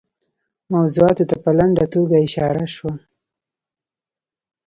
موضوعاتو ته په لنډه توګه اشاره شوه.